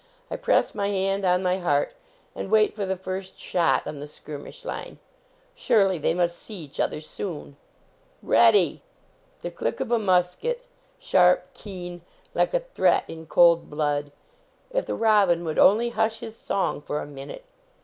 I press my hand on my heart, and wait for the first shot on the skirmish line. Surely they must see each other soon !" Ready!" The click of a musket, sharp, keen; like a threat in cold blood! If the robin would only hush his song for a minute